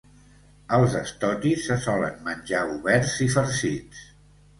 Els stotties se solen menjar oberts i farcits.